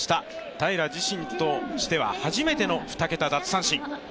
平良自身としては初めての２桁奪三振。